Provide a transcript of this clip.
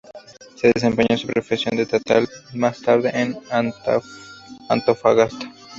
Se desempeñó en su profesión en Taltal y más tarde, en Antofagasta.